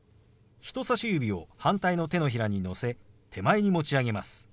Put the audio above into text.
人さし指を反対の手のひらにのせ手前に持ち上げます。